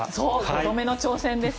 ５度目の挑戦です。